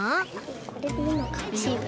これでいいのかな？